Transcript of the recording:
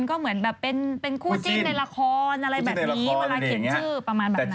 ก็เหมือนเป็นคู่จิ้นในละครอะไรแบบนี้